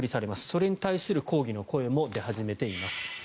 それに対する抗議の声も出始めています。